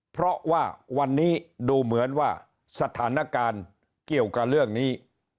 เพราะว่าวันนี้ดูเหมือนว่าสถานการณ์เกี่ยวกับเรื่องนี้